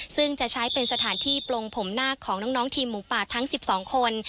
ซึ่งจะใช้เป็นสถานที่ปลงผมหน้าของน้องทีมหมูป่าทั้ง๑๒คน